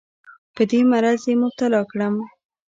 په دې مرض یې مبتلا کړم.